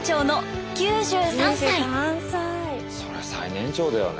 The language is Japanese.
そりゃ最年長だよね。